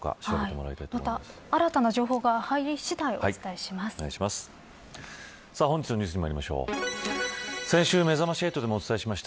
また、新たな情報が入り次第お伝えします。